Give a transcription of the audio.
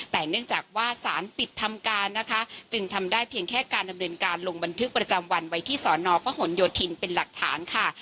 แต่เนื่องจากว่าสารปิดทำการนะคะจึงทำได้เพียงแค่การดำเนินการลงบันทึกประจำวันไว้ที่สอนอพหนโยธินเป็นหลักฐานค่ะ